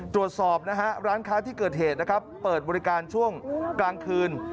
ตรวจสอบร้านค้าที่เกิดเหตุเปิดบริการช่วงกลางคืน